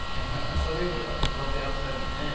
それを飾ってらっしゃるんですね。